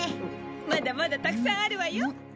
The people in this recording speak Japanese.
まだまだたくさんあるわよ。